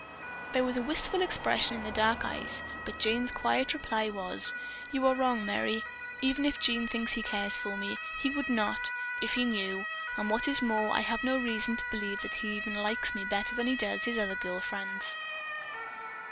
There was a wistful expression in the dark eyes, but Jane's quiet reply was, "You are wrong, Merry. Even if Jean thinks he cares for me, he would not, if he knew, and what is more, I have no reason to believe that he even likes me better than he does his other girl friends."